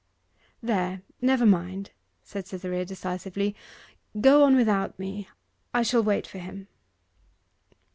'There, never mind,' said Cytherea decisively. 'Go on without me I shall wait for him.